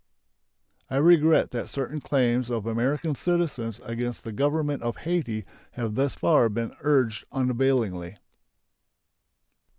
I regret that certain claims of American citizens against the Government of Hayti have thus far been urged unavailingly.